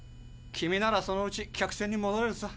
君ならそのうち客船にもどれるさ。